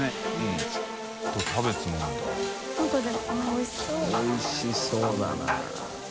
おいしそうだな。